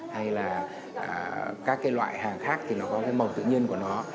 hay là các cái loại hàng khác thì nó có cái màu tự nhiên của nó